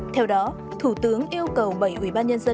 theo đó thủ tướng yêu cầu bảy ubnd